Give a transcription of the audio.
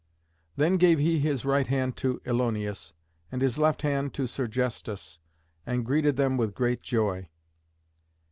Then gave he his right hand to Ilioneus, and his left hand to Sergestus, and greeted them with great joy.